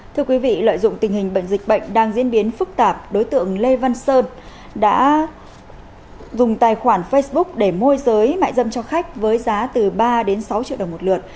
thưa quý vị lợi dụng tình hình bệnh dịch bệnh đang diễn biến phức tạp đối tượng lê văn sơn đã dùng tài khoản facebook để môi giới mại dâm cho khách với giá từ ba đến sáu triệu đồng một lượt